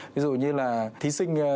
ví dụ như là thí sinh